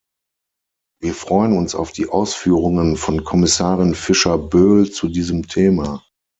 Wir freuen uns auf die Ausführungen von Kommissarin Fischer Boel zu diesem Thema.